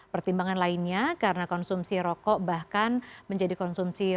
pertimbangan lainnya karena konsumsi rokok bahkan menjadi konsumsi